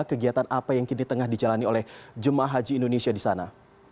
kegiatan apa yang kini tengah dijalani oleh jemaah haji indonesia di sana